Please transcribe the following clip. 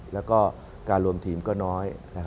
แล้วก็การรวมทีมก็น้อย